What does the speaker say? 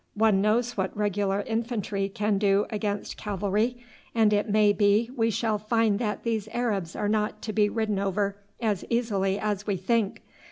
One knows what regular infantry can do against cavalry, and it may be we shall find that these Arabs are not to be ridden over as easily as we think.